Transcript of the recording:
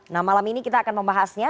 nah malam ini kita akan membahasnya